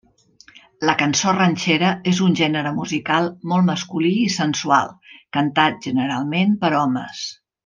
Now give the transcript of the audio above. La cançó ranxera és un gènere musical molt masculí i sensual, cantat generalment per homes.